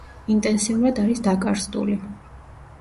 ინტენსიურად არის დაკარსტული.